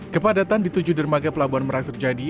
kepadatan di tujuh dermaga pelabuhan merak terjadi